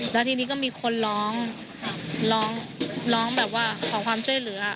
แล้วทีนี้ก็มีคนร้องร้องแบบว่าขอความช่วยเหลือ